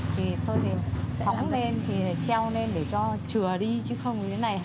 thì thôi thì khóng lên thì treo lên để cho chừa đi chứ không như thế này